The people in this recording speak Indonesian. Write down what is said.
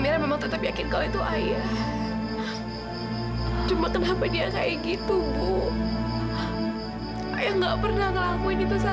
sampai jumpa di video selanjutnya